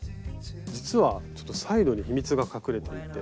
実はちょっとサイドに秘密が隠れていて。